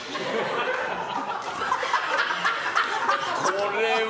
これは。